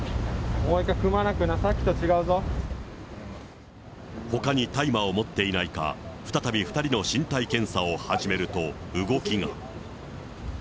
もう一回、くまなくな、さっきとほかに大麻を持っていないか、再び２人の身体検査を始めると動きが。